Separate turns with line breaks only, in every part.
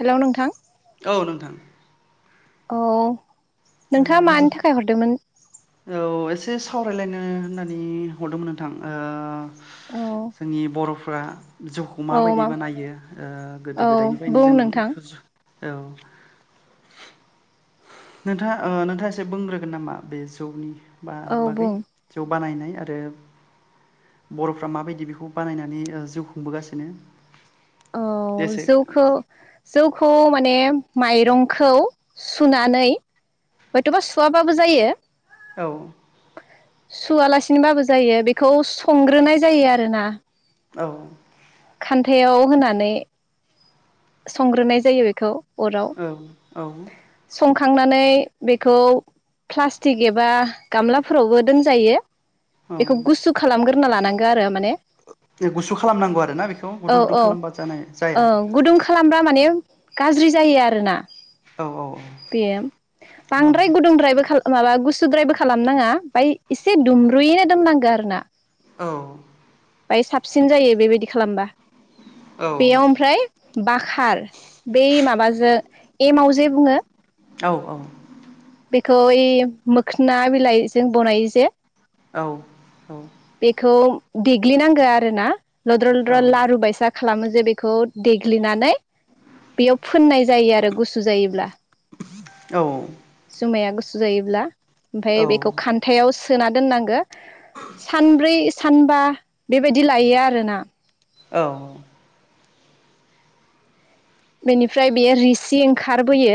Hello नोंथां
औ नोंथां
औ
ओ
नोंथाङा
मोजां
मानि थाखाय हरदोंमोन?
औ एसे सावरायलायनो होननानै हरदोंमोन नोंथां ओ
औ
जोंनि बर फ्रा जौखौ मा बायदि बानायो ओ गोदो
औ
गोदायनिफ्रायनो
बुं
जों
नोंथां
औ नोंथाङा ओ नोंथाङा एसे बुंग्रोगोन नामा बे जौनि? बा
औ
बागै
बुं
जौ बानायनाय आरो बरफ्रा माबायदि बेखौ बानायनानै ओ जिउ खुंबोगासिनो
औ
एसे
जौखौ जौ खौ माने माइरंखौ सुनानै हयथबा सुवाबाबो जायो
औ
सुवालासिनोब्ला बो जायो बेखौ संग्रोनाय जायो आरोना
औ
खानथायाव होनानै संग्रोनाय जायो बेखौ
औ औ
खांनानै बेखौ प्लास्टिक एबा गामलाफोरावबो दोनजायो
औ
बेखौ गुसु खालामग्रोना लानांगौ आरो माने
गुसु खालामनांगौ आरोना बेखौ
औ
गुदुं गुदुं
औ
खालामबा जानाय
औ
जाया?
गुदुं खालामब्ला माने गाज्रि जायो आरोना
औ
बे
औ
बांद्राय गुदुंद्रायबो खा- माबा गुुसु सुद्रायबो खालामनाङा ओमफ्राय एसे दुमब्रुयैनो दोननांगो आरोना
औ
बाय साबसिन जायो बेबायदि खालामबा
औ
बेयाव ओमफ्राय बाखार बै माबाजों एमाव जे बुङो
औ औ
बेखौ ओइ मोखोना बिलाइजों बनायो जे
औ औ
बेखौ देग्लिनांगो आरो ना लद्र
औ
लद्र लारु बायसा खालामो जे बेखौ देग्लिनानै बेयाव फोननाय जायो आरो गुसु जायोब्ला
औ
जुमाया गुसु जायोब्ला ओमफाय बेखौ
औ
खान्थायाव सो सोना दोननांगो सानब्रै सानबा बेबायदि लायो आरोना
औ
बेनिफ्राय बेयो रिसि ओंखारबोयो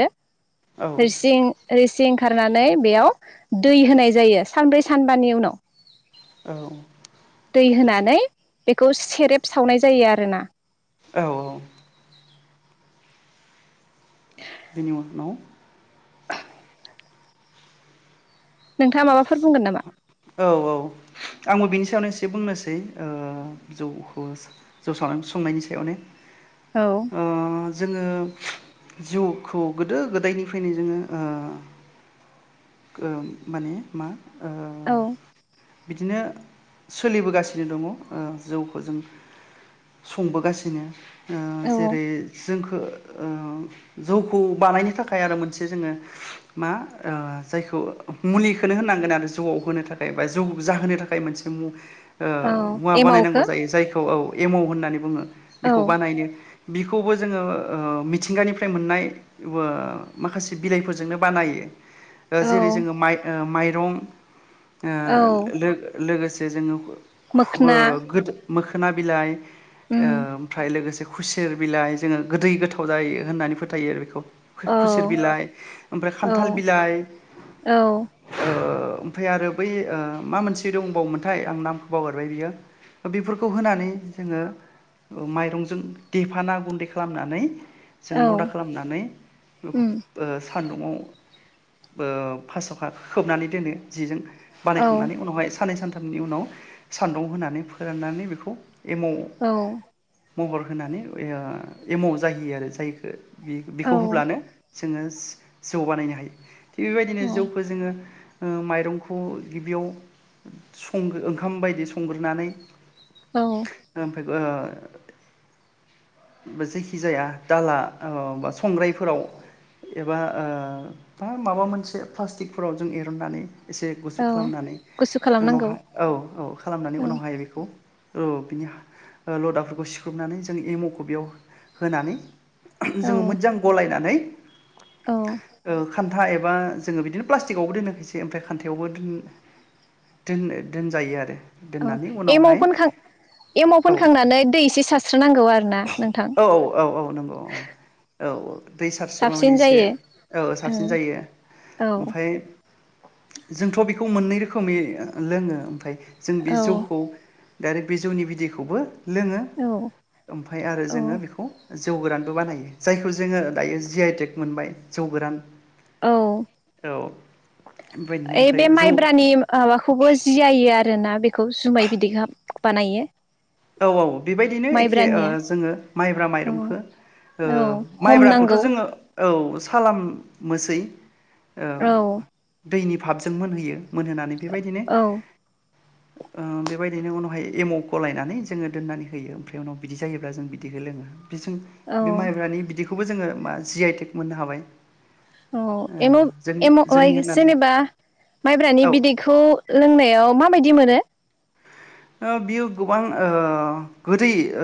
रोसिं रोसिं खारनानै बेयाव दै होनाय जायो सानब्रै सानबानि उनाव
औ
दै होनानै बेखौ सेरेब सावनाय जायो आरोना
औ औ [unintelligible]
[unintelligible] नोंथाङा माबाफोर बुंगोन नामा?
औ आंबो बिनि सायावनो एसे बुंनोसै ओ जौखौ जौ स-संनायनि सायावनो
औ
ओ जोङो जौखौ गोदो गोदायनिफ्रायनो जोङो ओ ओ माने मा ओ
औ
बिदिनो सोलिबोगासिनो दङ ओ जौखौ जों संबोगासिनो ओ‌
औ
जेरै- जोंखो ओ जौखौ बानायनो थाखाय आरो मोनसे जोङो मा ओ जायखौ मुलिखौ होनांगोन आरो जौआव होनो थाखाय बा जौ जाहोनो थाखाय मोनसे ओ
औ
मुवा
एमावखो
बानायनांगौ जायो जायखौ औ एमव होननानै बुङो।
औ
बेखौ बानायनो बिखौबो जोङो ओ मिथिंगानिफ्राय मोननाय ओ माखासे बिलाइफोरजोंनो बानायो। ओ
औ
जेरै- जोङो माइ माइ [unintelligible] ओ
औ
लो-लोगोसे जे जोङो ओ
मोखोना
गोदो मोखोना बिलाइ
उम
ओ ओमफ्राय लोगोसे खुसेर बिलाइ जोङो गोदै गोथाव जायो होननानै फोथायो आरो बेखौ
औ
खुसेर बिलाइ ओमफ्राय
औ
खान्थाल बिलाइ
औ
ओ ओमफाय आरो बै ओ मा मोनसे दंबावोमोनथाय आं नामखौ बावगारबाय बियो बेफोरखौ होनानै जोङो ओ माइरंजों देफाना गुन्दै खालामनानै जों
औ
लदा खालामनानै ओफ
उम
ओ सान्दुंङाव ओ फास्सखा खोबनानै दोनो जिजों
औ
बानायखांनानै उनावहाय साननै सानथाम नि उनाव सान्दुं होनानै फोराननानै बेखौ एमाव
औ
महर होनानै ओ एमाव जाहैयो आरो जायखो बे
औ
बेखौ होब्लानो जोङो जौ बानायनो हायो थिग बेबायदिनो
औ
जौखौ जोङो ओ माइरंखौ गिबियाव संगो ओंखाम बायदि संग्रोनानै
औ
ओ जायखि जाया दाला ओ बा संग्रायफोराव एबा ओ माबा मोनसे प्लास्टिकफोराव जों एरन्नानै एसे गुसु
औ
खालामनानै
गुसु खालामनांगौ
उनावहाय औ औ खालामनानै
औ
उनावहाय बेखौ औ बिनि लदाफोरखौ सिख्रुबनानै जों एमावखौ बेयाव होनानै
औ
जोङो मोजां गलायनानै
औ
खान्था एबा जोङो बिदिनो प्लास्टिकआवबो दोनो खायसे ओमफ्राय खान्थायावबो दोन-दोन-दोनजायो आरो
औ
दोननानै
एमाव
उनावहाय
फोनखां एमाव
औ
फोनखांनानै दै एसे सारस्रोनांगौ आरोना नोंथां
औ औ नंगौ औ औ दै सारसोबा
साबसिन
माने एसे
जायो
ओ साब
औ
जायो
औ
ओमफाय जोंथ बेखौ मोननै रोखोमै ओ लोङो ओमफाय जों बे
औ
जौखौ दा आरो बि जौनि बिदैखौबो लोङो
औ
ओमफाय आरो
औ
जोङो बेखौ जौ गोरानबो बानायो जायखौ जोङो दायो जि आइ टेक मोनबाय जौ गोरान
औ
अ
ओइ बे माइब्रानि ओ माबाखौबो जि आयो आ ना बेखौ जुमाय बिदै खाम बानायो
औ औ बेबायदिनो एखे ओ
माइब्रानिया
जोङो माइब्रा
औ
माइरंखो ओ
औ
माइब्राखौथ
हमनांगौ
जोङो औ सालाम मोसै ओ
औ
दैनि पापजों मोनहोयो मोनहोनानै बेबायदिनो
औ
ओ बेबायदिनो उनावहाय एमखौ लायनानै जोङो दोननानै होयो ओमफ्राय उनाव बिदि जायोब्ला जों बिदिखौ लोङो बिजों
औ
बे माइब्रानि बिदिखौ बेखौबो जोङो मा जि आइ टेक मोननो हाबाय
औ
ओ जों
एमा-एमाव
जोंनि होननानै
जेनेबा
औ
माइब्रानि बिदैखौ लोंनायाव माबायदि मोनो
ओ बियो गोबां ओ गोदै ओ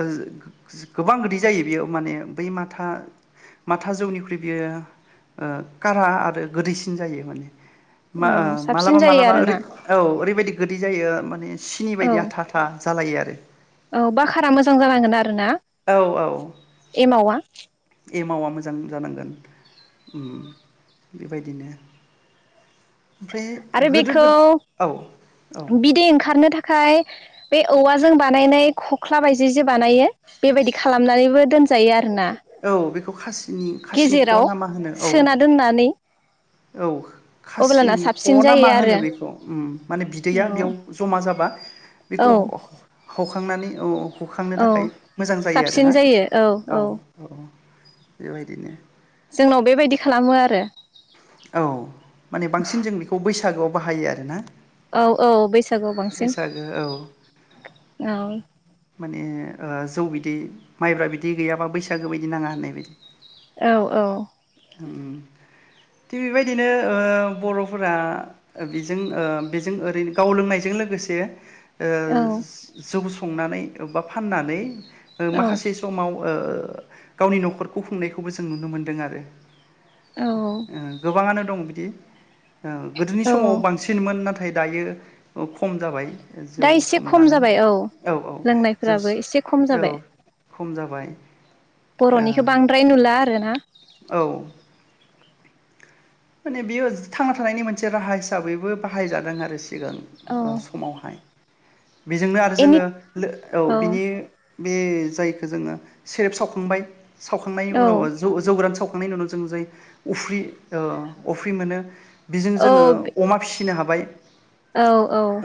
गोबां गोदै जायो बेयो माने बै माथा माथा जौनिख्रुइ बियो ओ कारा आरो गोदैसिन जायो माने ओ
औ साबसिन
मालाबा
जायो
मालाबा
आरोना
ओैरै-औ ओरैबायदि गोदै जायो माने सिनि
औ
बायदि आ आटा जालायो आरो
औ बाकारा मोजां जानांगोन आरो रोना
औ
एमावा
एमावआ मोजां जानांगोन ओम बेबायदिनो ओमफ्राय
आरो
गोदो
बेखौ
गोद औ औ
बिदै ओंखारनो थाखाय बे औवाजों बानायनाय खख्ला बायदि जे बानायो बेबायदि खालामनानैबो दोनजायो आरोना
औ बेखौ खासिनि खासिनि ख
गेजेराव
नामा होनो औ
सोना दोननानै
औ
अब्लाना
खासिनि
साबसिन
खना मा
जायो
होनो
आरो
बेखौ ओम माने बिदैया बेयाव जमा जाबा
औ
बेखौ ह-हखांनानै औ हखांनो
औ
थाखाय मोजां जायो आरोना औ औ बेबायदिनो
जोंनाव बेबायदि खालामो आरो
औ माने बांसिन जों बेखौ बैसागोआव बाहायो आरोना
औ औ बैसागुआव बांसिन
बैसागो औ
औ
माने ओ जौ बिदै माइब्रा बिदै गैयाबा बैसागो बायदि नाङा होननाय बायदि
औ औ
उम थिग बेबायदिनो ओ बर'फोरा बेजों ओ बेजों ओरैनो गाव लोंनायजों लोगोसे ओ
औ
जौ गुसु संना नानै अब्बा फाननानै ओ
औ
माखासे समाव ओ गावनि नखरखौ खुंनायखौबो जों नुनो मोनदों आरो
औ
ओ गोबाङानो दं बिदि [inaudible] गोदोनि समाव
औ
बांसिनमोन नाथाय। नाथाय दायो खम जाबाय। जौ
दा एसे खम
संनानै
जाबाय
औ औ। जौ
लोंनायफोराबो एसे खम
औ
जाबाय।
खम जाबाय।
बरनिखौ
ओ
बांद्राय नुला आरो ना।
औ। माने बेयो थांना थानायनि मोनसे राहा हिसाबैबो बाहायजादों आरो। सिगां
औ
समावहाय। बेजोंनो आरो
एनि
जोङो औ बिनि। बे जायखौ जोङो सेरेब सावखांबाय। सावखांनायनि उनाव
औ
जौ जौग्रान सावखां। खांनायनि उनाव जों जाय अफ्रि। अफ्रि मोनो। बेजों जोङो
औ
अमा फिसियो। फिनो हाबाय।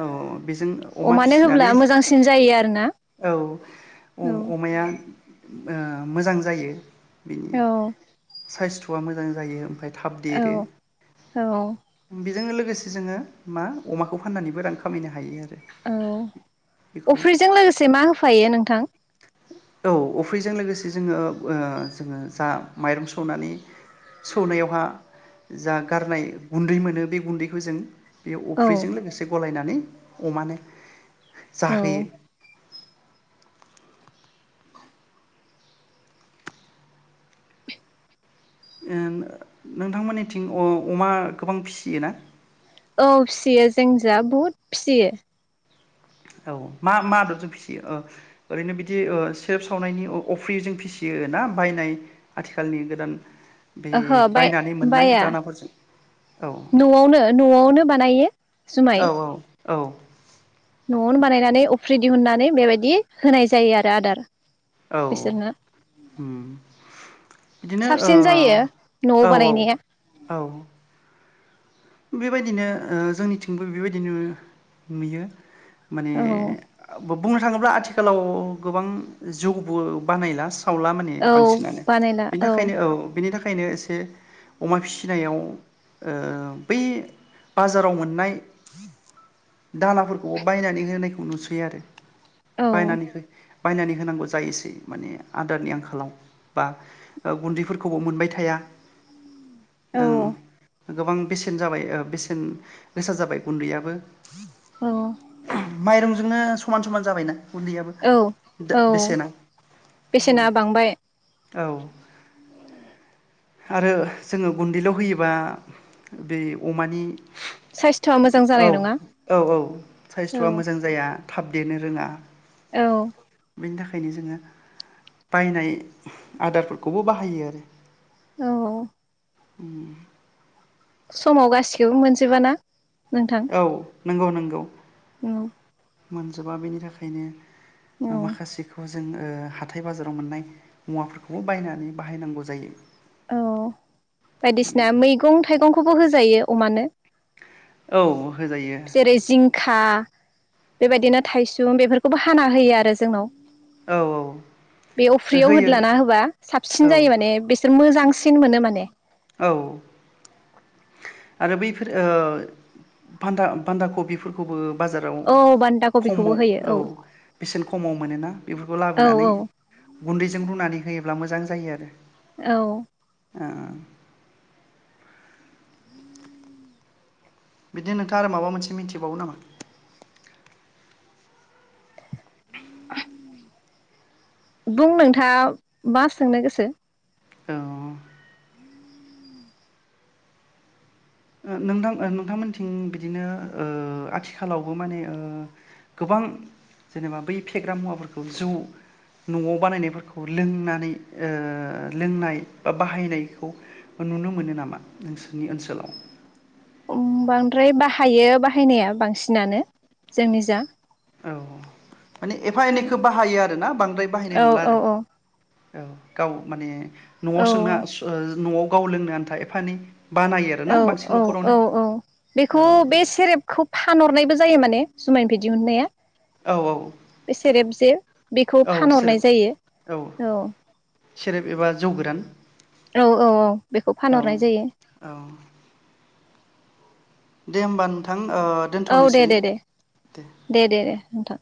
औ बेजों अमा
अमानो होब्ला
फिसिनानै
मोजांसिन जायो आरोना
औ
औ
अमाया। मोजां जायो।
औ।
साइस थआ मोजां जायो ओमफ्राय। थाब देरो।
औ औ औ
बे जोंनो लोगोसे जोङो मा अमाखौ फाननानैबो रां खामायनो हायो आरो।
औ
बेखौ
अफ्रिजों लोगोसे मा होफायो नोंथां।
औ अफ्रिजों लोगोसे जोङो जोङो जा माइरं सौनानै सौनायावहा जा गारनाय गुन्दै मोनो बे गुन्दैखौ जों। बेयो
औ
अफ्रिजों लोगोसे गलायनानै। अमानो।
औ
जाहोयो। नोंथांमोननिथिं अमा गोबां फिसियो ना।
औ फियो जोंनिथिंजाय बुहुद फिसियो।
औ मा मा आदबजों फिसियो ओरैनो बिदि सेरेप सावनायनि अफ्रिजों फिसियो ना बायनाय आथिखालनि गोदान। बे
ओहो
बायनानै
बाया
मोननाय
बाया
दानाफोरजों औ
नआवनो नआवनो बानायो।
औ औ औ।
नआवनो बानायनानै अफ्रि दिहुननानै बेबायदि होनाय जायो आरो आदार।
औ
बिसोरनो
ओम बिदिनो ओ
साबसिन जायो न'आव
ओ औ
बानायनाया
औ। बेबायदिनो ओ जोंनिथिंबो बेबायदिनो नुयो। माने
औ
आ बुंनो थाङोब्ला आथिखालाव गोबां जौबो बानायला। सावला माने
औ
बांसिनानो बिनि थाखायनो औ बिनि थाखाय खायनो एसे अमा फिसिनायाव ओ बै बाजाराव मोननाय दानाफोरखौ बायनानै होनाय नुसै आरो।
औ
बायनानै हो बायनानै होनांगौ जायोसै माने आदारनि आंखालाव बा ओ गुन्दैफोरखौबो मोनबाय थाया
औ
ओं गोबां बे सेन जाबाय ओ बेसेन गोसा जाबाय गुन्दैयाबो
औ
माइरं जोंनो समान समान जाबायना गुन्दैयाबो
औ
दा
औ
बेसेना
बेसेना
उम
बांबाय
औ आरो जोङो गुन्दैल' होयोबा बे अमानि
साइस्थ'आ मोजां
औ
जानाय नङा
औ औ
औ
साइस्थ'आ मोजां जाया थाब देरनो रोङा
औ
बेनि थाखायनो जोङो बायनाय आदारफोरखौबो बाहायो आरो।
औ औ
उम
समाव गासिखौबो मोनजोबा ना
औ नोंगौ नोंगौ
औ
मोनजोबा बेनि
औ
थाखायनो माखासेखौ जों ओ हाथाय बाजाराव मोननाय मुवाफोरखौबो बायनानै बाहायनांगौ जायो।
औ बायदिसिना मैगं थाइगं खौबो होजायो अमानो
औ होजायो
जेरै जिंखा बेबायदिनो थायसुम बेफोरखौबो हाना होयो आरो जोंनाव।
औ
बेयाव अफ्रियाव
होयो
होदलाना होबा
औ
साबसिन जायो माने बिसोर मोजां बांसिन मोनो माने।
औ आरो बैफोर ओ बान्दा बान्दा कबिफोरखौबो बाजाराव
औ बान्दा कबिखौबो होयो
खमाव औ बेसेन खमाव मोनोना बेफोरखौ
औ
लाबोनानै
औ
गुन्दैजों रुनानै होयो ब्ला मोजां जायो आरो।
औ
ओं बिदिनो नोंथाङा आरो माबा मोनसे मिथिबावो नामा?
बुं नोंथाङा मा सोंनो गोसो।
औ। नोंथां नोंथांमोनथिं बिदिनो ओ आथिखालावबो ओ माने गोबां जेनेबा बै फेग्रा मुवाफोरखौ जौ न'आव बानायनायफोरखौ लोंनानै लोंनाय बा बाहायनायखौ नुनो मोनो नामा नोंसोरनि ओनसोलाव?
औ बांद्राय बाहायो बाहायनाया बांसिनानो जोंनि जा।
औ माने एफा एनैखौ बाहायो आरो ना बांद्राय बाहायनाय
औ
नुला
औ
आरो।
औ
औ गाव माने न'आव
औ
सोंना सो न'आव गाव लोंनो आन्था एफा एनै बानायो आरोना
औ
बांसिन
औ
न'खरावनो
औ औ
औ
बेखौ बे
बेबायदि।
सेरेबखौ फानहरनायबो ज जायो माने जुमाय बि दिहुननाया
औ औ
बे सेरेप जे बेखौ
औ
फानहरनाय
सेरेब
जायो
औ सेरेब एबा जौ गोरान।
औ औ औ बेखौ
औ
फानहरनाय जायो।
औ दे होमबा नोंथां ओ
औ दे
दोनथ'नोसै
दे दे दे दे दे। नोंथां।